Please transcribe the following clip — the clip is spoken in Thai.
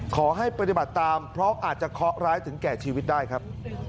ขอให้ปฏิบัติตามเพราะอาจจะเคาะร้ายถึงแก่ชีวิตได้ครับ